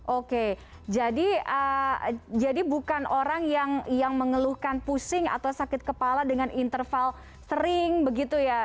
oke jadi bukan orang yang mengeluhkan pusing atau sakit kepala dengan interval sering begitu ya